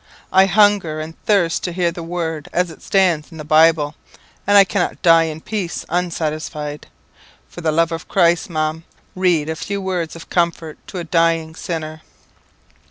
I hunger and thirst to hear the word as it stands in the Bible, and I cannot die in peace unsatisfied. For the love of Christ, Ma'am, read a few words of comfort to a dying sinner!"